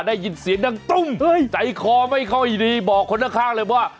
ได้ยินเสียงดังตุ้มใจคอไม่เข้าอีกดีบอกคนข้างเลยว่า